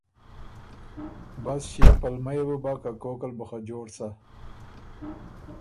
بس ݭيې پلمۀ يې بُو بۀ که کوکل بُو خه جوړ سۀ